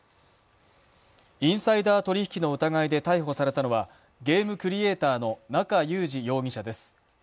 インサイダー取引の疑いで逮捕されたのはゲームクリエーターの中裕司容疑者です。